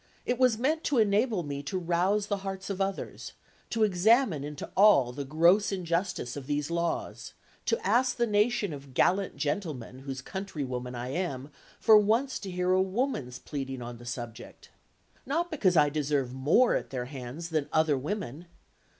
It was meant to enable me to rouse the hearts of others, to examine into all the gross injustice of these laws, to ask the nation of gallant gentlemen whose countrywoman I am, for once to hear a woman's pleading on the subject. Not because I deserve more at their hands than other women.